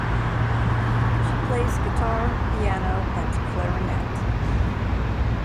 She plays guitar, piano, and clarinet.